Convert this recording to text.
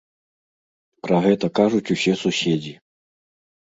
Пра гэта кажуць усе суседзі.